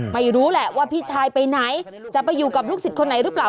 ไม่รู้แหละว่าพี่ชายไปไหนจะไปอยู่กับลูกศิษย์คนไหนหรือเปล่า